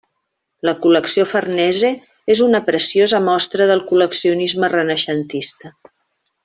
La col·lecció Farnese és una preciosa mostra del col·leccionisme renaixentista.